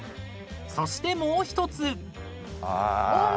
［そしてもう１つ］